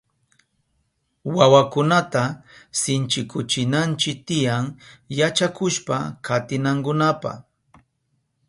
Wawakunata sinchikuchinanchi tiyan yachakushpa katinankunapa.